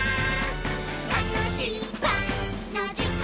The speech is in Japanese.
「たのしいパンのじかんです！」